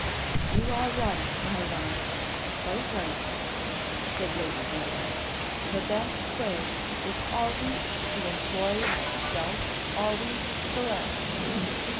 "You are right, my love quite right," said Lady Davenant. "The best way is always to employ one's self always to the last.